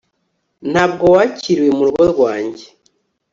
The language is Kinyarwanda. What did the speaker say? Ntabwo wakiriwe murugo rwanjye